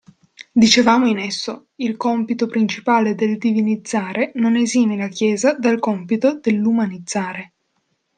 Dicevamo in esso: il compito principale del divinizzare non esime la Chiesa dal compito dell'umanizzare.